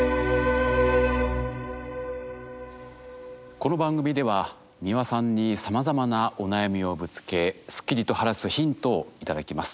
この番組では美輪さんにさまざまなお悩みをぶつけスッキリと晴らすヒントを頂きます。